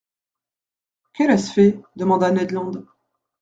—Quel est ce fait ? demanda Ned Land.